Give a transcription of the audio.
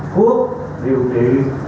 thuốc điều trị